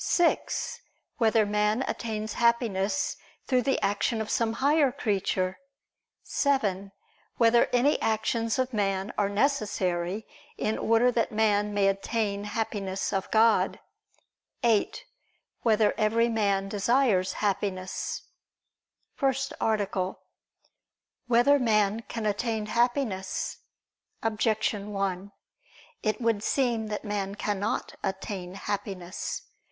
(6) Whether man attains Happiness through the action of some higher creature? (7) Whether any actions of man are necessary in order that man may obtain Happiness of God? (8) Whether every man desires Happiness? ________________________ FIRST ARTICLE [I II, Q. 5, Art. 1] Whether Man Can Attain Happiness? Objection 1: It would seem that man cannot attain happiness.